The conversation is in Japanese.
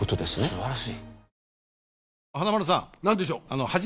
素晴らしい。